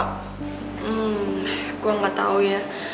hmm gue gak tau ya